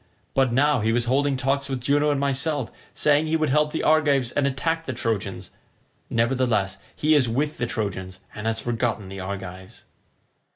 But now he was holding talk with Juno and myself, saying he would help the Argives and attack the Trojans; nevertheless he is with the Trojans, and has forgotten the Argives."